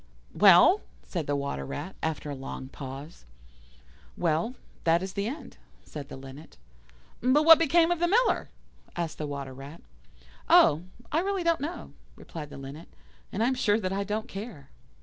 '" "Well?" said the Water rat, after a long pause. "Well, that is the end," said the Linnet. "But what became of the Miller?" asked the Water rat. "Oh! I really don't know," replied the Linnet; "and I am sure that I don't care."